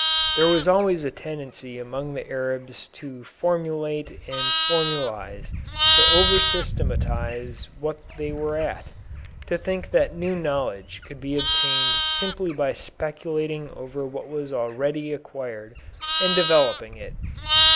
There was always a tendency among the Arabs to formulate and formalize, to over systematize what they were at; to think that new knowledge could be obtained simply by speculating over what was already acquired, and developing it.